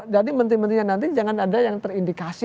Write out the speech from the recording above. jadi menteri menterinya nanti jangan ada yang terindikasi